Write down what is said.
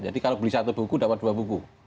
jadi kalau beli satu buku dapat dua buku